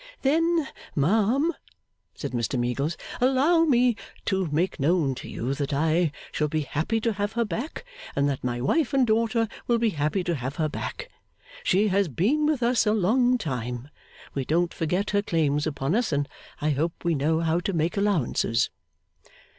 'Then, ma'am,' said Mr Meagles, 'allow me to make known to you that I shall be happy to have her back, and that my wife and daughter will be happy to have her back. She has been with us a long time: we don't forget her claims upon us, and I hope we know how to make allowances.